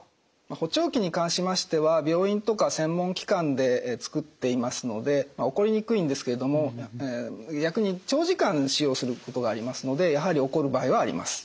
補聴器に関しましては病院とか専門機関で作っていますので起こりにくいんですけれども逆に長時間使用することがありますのでやはり起こる場合はあります。